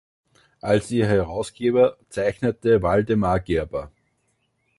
Als ihr Herausgeber zeichnete Waldemar Gerber.